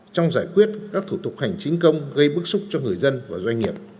trong giải quyết các thủ tục hành chính công gây bức xúc cho người dân và doanh nghiệp